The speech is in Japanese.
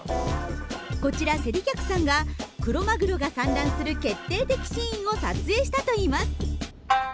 こちら勢理客さんがクロマグロが産卵する決定的シーンを撮影したといいます。